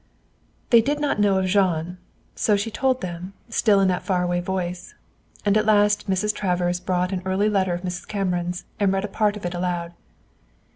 They did not know of Jean; so she told them, still in that far away voice. And at last Mrs. Travers brought an early letter of Mrs. Cameron's and read a part of it aloud.